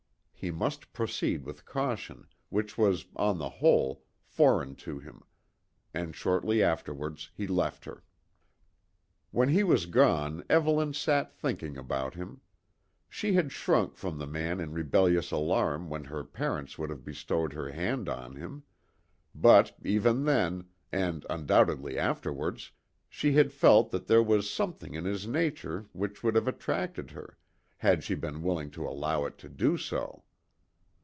He must proceed with caution, which was, on the whole, foreign to him; and shortly afterwards he left her. When he had gone, Evelyn sat thinking about him. She had shrunk from the man in rebellious alarm when her parents would have bestowed her hand on him; but even then, and undoubtedly afterwards, she had felt that there was something in his nature which would have attracted her, had she been willing to allow it to do so.